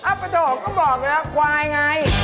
อ้าวประโยคก็บอกแล้วควายไง